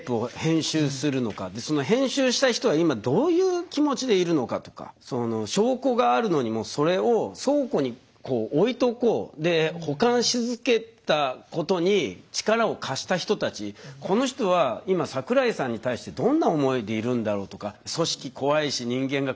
でその編集した人は今どういう気持ちでいるのかとかその証拠があるのにもそれを倉庫に置いとこうで保管し続けたことに力を貸した人たちこの人は今桜井さんに対してどんな思いでいるんだろうとか組織怖いし人間が怖い。